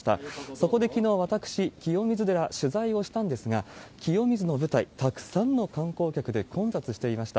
そこできのう、私、清水寺、取材をしたんですが、清水の舞台、たくさんの観光客で混雑していました。